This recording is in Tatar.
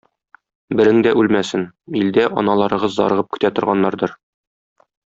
Берең дә үлмәсен, илдә аналарыгыз зарыгып көтә торганнардыр.